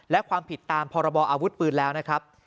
และความผิดตามพบอบแล้วนะครับ